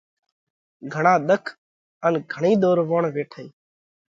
گھڻا ۮک ان گھڻئِي ۮورووڻ ويٺئِي۔